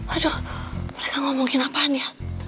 aduh mereka ngomongin apaan ya